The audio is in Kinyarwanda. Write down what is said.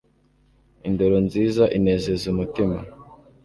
Indoro nziza inezeza umutima